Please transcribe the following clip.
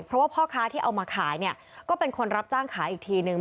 เพราะว่าพ่อค้าที่เอามาขายเนี่ยก็เป็นคนรับจ้างขายอีกทีนึง